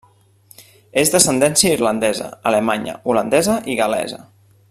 És d'ascendència irlandesa, alemanya, holandesa i gal·lesa.